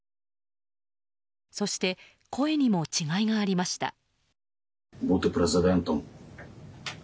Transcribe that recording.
そして、声にも違いがありました。